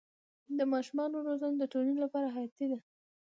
د ماشومانو روزنه د ټولنې لپاره حیاتي ده.